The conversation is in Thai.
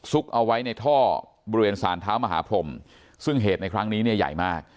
เอาไว้ในท่อบริเวณสารเท้ามหาพรมซึ่งเหตุในครั้งนี้เนี่ยใหญ่มาก